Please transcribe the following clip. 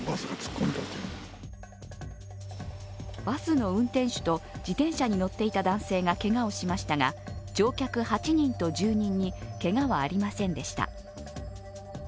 バスの運転手と自転車に乗っていた男性がけがをしましたが、乗客８人と住人にけがはありませんでした。